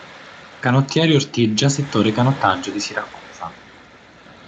Canottieri Ortigia settore canottaggio di Siracusa.